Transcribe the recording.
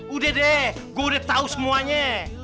udah deh gue udah tau semuanya